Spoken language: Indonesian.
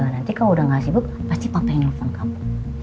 nanti kalau udah gak sibuk pasti papa yang nelfon kamu